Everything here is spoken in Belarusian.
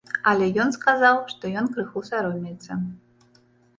Але ён сказаў, што ён крыху саромеецца.